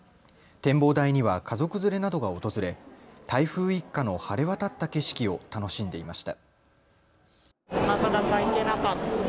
展望台には家族連れなどが訪れ台風一過の晴れ渡った景色を楽しんでいました。